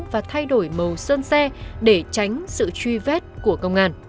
và thay đổi màu sơn xe để tránh sự truy vết của công an